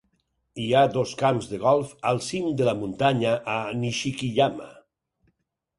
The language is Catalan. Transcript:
Hi ha dos camps de golf al cim de la muntanya a Nishiki-yama.